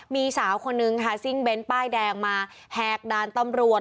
มีสาวคนนึงค่ะซิ่งเน้นป้ายแดงมาแหกด่านตำรวจ